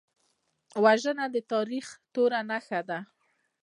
وژنه د تاریخ توره نښه ده